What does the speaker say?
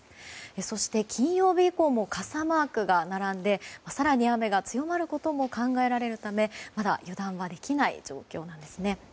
そして、金曜日以降も傘マークが並んで更に雨が強まることも考えられるためまだ油断はできない状況なんですね。